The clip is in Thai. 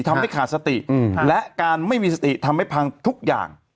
ทำให้ขาดสติและการไม่มีสติทำให้พังทุกอย่าง